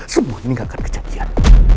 semua ini gak akan kejadian